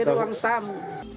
di ruang tamu